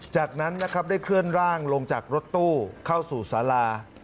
จากนั้นนะครับได้เคลื่อนร่างลงจากรถตู้เข้าสู่สารา